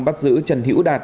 bắt giữ trần hữu đạt